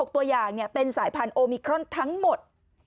ตัวอย่างเป็นสายพันธุมิครอนทั้งหมด